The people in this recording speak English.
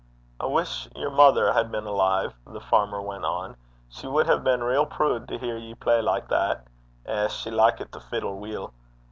'I wish yer mother had been alive,' the farmer went on. 'She wad hae been rael prood to hear ye play like that. Eh! she likit the fiddle weel.